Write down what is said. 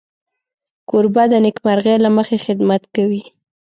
کوربه د نېکمرغۍ له مخې خدمت کوي.